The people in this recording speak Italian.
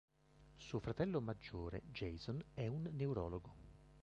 Suo fratello maggiore, Jason, è un neurologo.